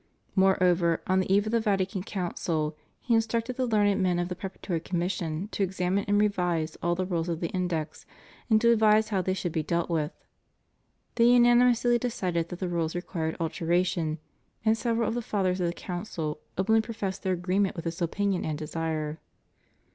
Moreover, on the eve of the Vatican Council, he instructed the learned men of the preparatory commission to examine and revise all the rules of the Index, and to advise how they should be dealt with. They unanimously decided that the rules required alteration; and several of the Fathers of the Council openly professed their agree ment with this opinion and desire.